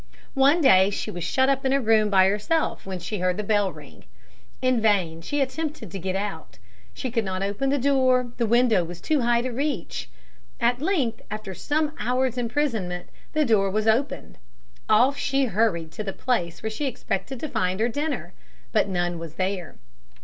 One day she was shut up in a room by herself when she heard the bell ring. In vain she attempted to get out; she could not open the door, the window was too high to reach. At length, after some hours' imprisonment, the door was opened. Off she hurried to the place where she expected to find her dinner, but none was there.